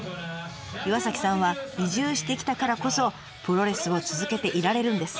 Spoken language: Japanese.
岩さんは移住してきたからこそプロレスを続けていられるんです。